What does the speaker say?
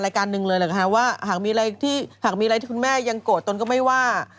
การหนึ่งเลยหรือว่าหากมีอะไรที่หากมีอะไรที่คุณแม่ยังโกรธตนก็ไม่ว่า